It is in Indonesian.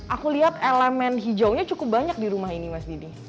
aku lihat elemen hijaunya cukup banyak di rumah ini mas didi